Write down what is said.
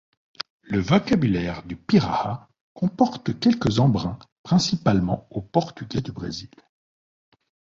Le vocabulaire du pirahã comporte quelques emprunts, principalement au portugais du Brésil.